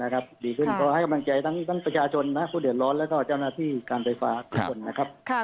ก็ให้กำลังใจทั้งประชาชนผู้เดือนร้อนแล้วก็เจ้าหน้าที่การไฟฟ้า